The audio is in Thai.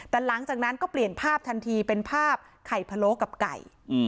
แต่หลังจากนั้นก็เปลี่ยนภาพทันทีเป็นภาพไข่พะโล้กับไก่